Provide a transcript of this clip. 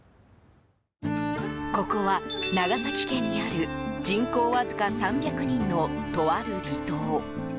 ここは長崎県にある人口わずか３００人のとある離島。